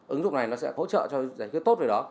ứng dụng này nó sẽ hỗ trợ cho giải quyết tốt về đó